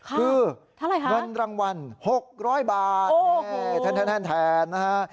คือเงินรางวัล๖๐๐บาทนี่แทนนะฮะ